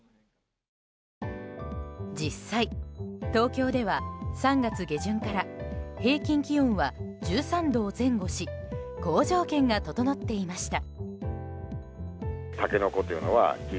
実際、東京では３月下旬から平均気温は１３度を前後し好条件が整っていました。